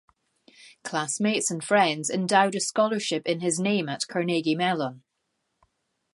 Classmates and friends endowed a scholarship in his name at Carnegie Mellon.